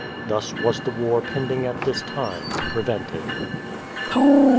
Thus was the war pending at this time prevented.